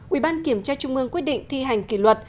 ủy ban kiểm tra trung ương quyết định thi hành kỷ luật